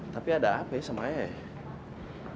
tapi ada apa ya sama ayah ya